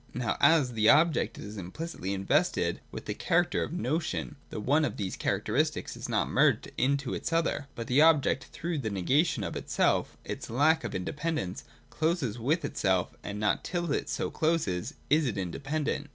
Now as the object is implicitly invested with the character of notion, the one of these characteristics is not merged into its other ; but the object, through the negation of itself (its lack of independence), closes with itself, and not till it so closes, is it independent.